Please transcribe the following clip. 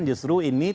justru ini tersangka